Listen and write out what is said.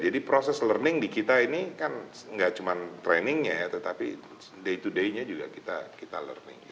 jadi proses learning di kita ini kan nggak cuma trainingnya ya tetapi day to daynya juga kita learning